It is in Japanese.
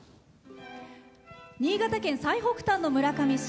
新潟県最北端の村上市。